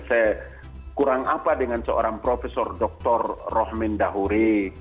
saya kurang apa dengan seorang profesor dr rohmin dahuri